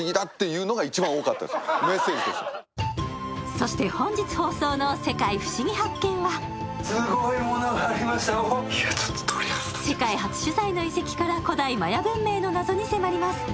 そして本日放送の「世界ふしぎ発見！」は世界初取材の遺跡から古代マヤ文明の謎に迫ります。